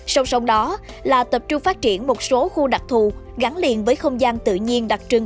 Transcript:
song song đó là tập trung phát triển một số khu đặc thù gắn liền với không gian tự nhiên đặc trưng